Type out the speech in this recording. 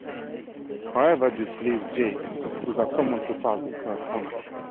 However, this leaves Jake without someone to pass the curse onto.